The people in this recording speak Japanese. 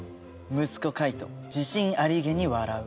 息子カイト自信ありげに笑う。